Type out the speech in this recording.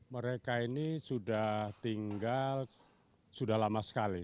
mereka ini sudah tinggal sudah lama sekali